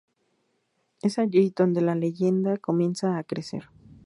Es allí donde la leyenda comienza a crecer.